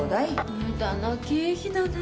ムダな経費だな。